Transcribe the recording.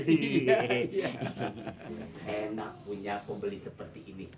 enak punya aku beli seperti ini